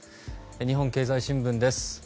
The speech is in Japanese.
日本経済新聞です。